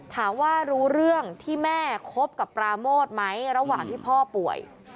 ถามว่ารู้เรื่องที่แม่คบกับปราโมทไหมระหว่างที่พ่อป่วย